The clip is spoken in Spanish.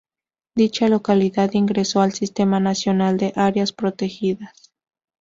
Dicha localidad ingresó al Sistema Nacional de Áreas Protegidas.